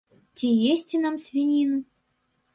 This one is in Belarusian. Ці есці нам свініну?